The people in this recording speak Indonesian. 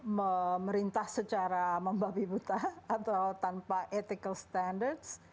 memerintah secara membabi buta atau tanpa ethical standards